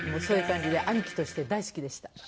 そういう感じで兄貴として大好きでした。